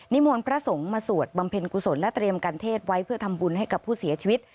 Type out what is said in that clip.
มนต์พระสงฆ์มาสวดบำเพ็ญกุศลและเตรียมกันเทศไว้เพื่อทำบุญให้กับผู้เสียชีวิต